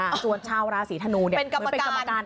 ส่วนชาวราศีธนูเนี่ยเป็นกรรมการ